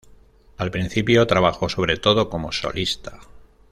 Al principio trabajó sobre todo como solista.